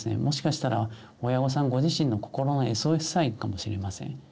もしかしたら親御さんご自身の心のＳＯＳサインかもしれません。